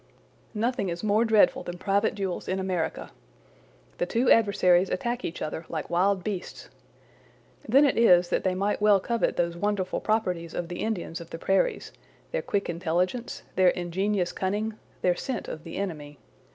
Nothing is more dreadful than private duels in America. The two adversaries attack each other like wild beasts. Then it is that they might well covet those wonderful properties of the Indians of the prairies—their quick intelligence, their ingenious cunning, their scent of the enemy.